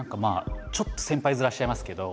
ちょっと先輩面しちゃいますけど。